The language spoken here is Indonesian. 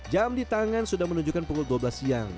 jam di tangan sudah menunjukkan pukul dua belas siang